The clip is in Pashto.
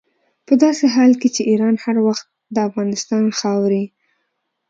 په داسې حال کې چې ایران هر وخت د افغانستان خاورې.